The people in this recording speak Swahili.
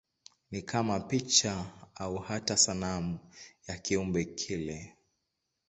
Ni kama picha au hata sanamu ya kiumbe kile.